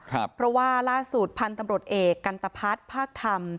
เพราะว่าล่าสุดพันธุ์ตำรวจเอกกันตะพัฒน์ภาคธรรม